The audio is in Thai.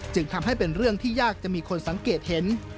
จึงทำให้เป็นเรื่องที่ยากจะมีคนสังเกตเห็น